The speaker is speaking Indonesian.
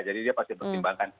jadi dia pasti mempertimbangkan